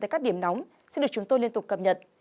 tại các điểm nóng xin được chúng tôi liên tục cập nhật